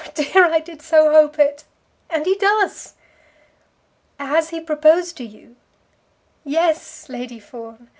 Oh dear, I did so hope it! And he does!" "Has he proposed to you?" "Yes, Lady Fawn.